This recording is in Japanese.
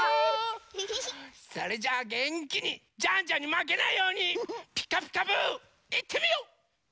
それじゃあげんきにジャンジャンにまけないように「ピカピカブ！」いってみよう！